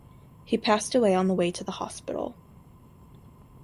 He passed away on the way to the hospital.